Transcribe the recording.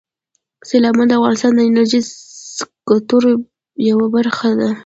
سیلابونه د افغانستان د انرژۍ سکتور یوه برخه ده.